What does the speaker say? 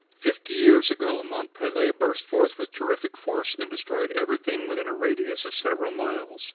"Fifty years ago Mont Pelee burst forth with terrific force and destroyed everything within a radius of several miles.